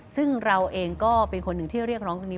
ซึ่งเราเองก็เป็นคนหนึ่งที่เรียกร้องตรงนี้